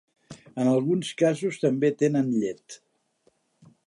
En alguns casos també tenen llet.